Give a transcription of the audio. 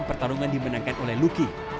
pertarungan dimenangkan oleh luki